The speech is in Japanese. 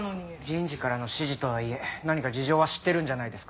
人事からの指示とはいえ何か事情は知ってるんじゃないですか？